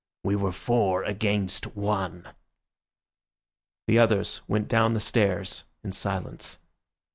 We were four against One." The others went down the stairs in silence.